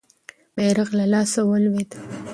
بیرغ له لاسه ولوېد.